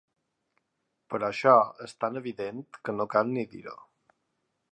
Però això és tan evident que no cal ni dir-ho.